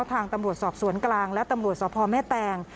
ทางตำรวจสอบสวนกลางและตำรวจสพแม่แตง